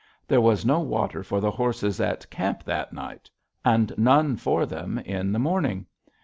There was no water for the horses at camp that night, and none for them in the morning.